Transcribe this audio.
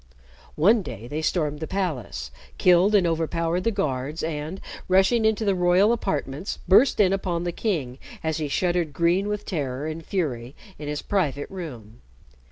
One day they stormed the palace, killed and overpowered the guards, and, rushing into the royal apartments, burst in upon the king as he shuddered green with terror and fury in his private room.